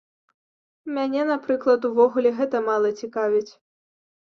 Мяне, напрыклад, увогуле гэта мала цікавіць.